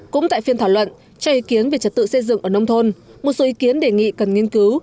cũng tại phiên thảo luận cho ý kiến về trật tự xây dựng ở nông thôn một số ý kiến đề nghị cần nghiên cứu